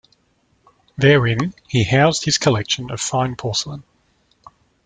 Therein, he housed his collection of fine porcelain.